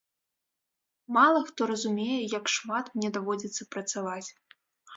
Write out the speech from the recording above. Мала хто разумее, як шмат мне даводзіцца працаваць.